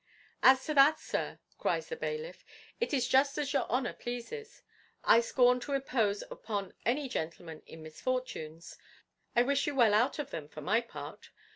"As to that, sir," cries the bailiff, "it is just as your honour pleases. I scorn to impose upon any gentleman in misfortunes: I wish you well out of them, for my part.